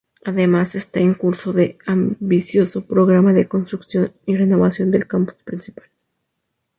Además, está en curso un ambicioso programa de construcción y renovación del campus principal.